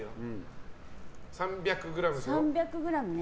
３００ｇね。